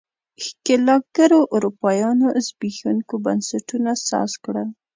ښکېلاکګرو اروپایانو زبېښونکو بنسټونو ساز کړل.